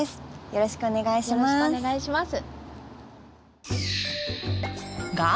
よろしくお願いします。